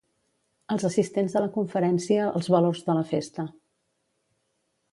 Els assistents a la conferència Els valors de la festa.